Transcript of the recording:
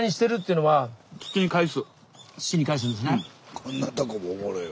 こんなとこもおもろいわ。